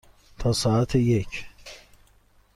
تا ساعت یک.